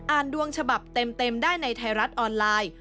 ดวงฉบับเต็มได้ในไทยรัฐออนไลน์